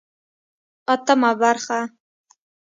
اتمه برخه